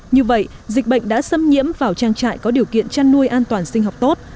như vậy dịch bệnh đã xâm nhiễm vào trang trại có điều kiện chăn nuôi an toàn sinh học tốt